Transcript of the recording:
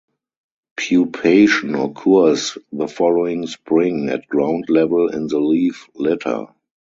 Pupation occurs the following spring at ground level in the leaf litter.